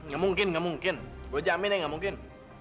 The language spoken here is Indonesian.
gak mungkin gak mungkin gue jamin ya gak mungkin